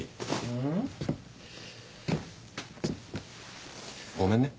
うん？ごめんね。